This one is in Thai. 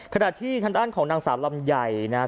ขณะที่ทันต้านของนางสาวลำใหญ่นะ